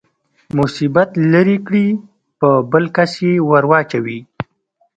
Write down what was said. مصیبت لرې کړي په بل کس يې ورواچوي.